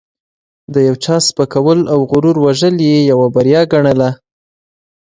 د یو چا سپکول او غرور وژل یې یوه بریا ګڼله.